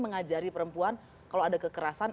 mengajari perempuan kalau ada kekerasan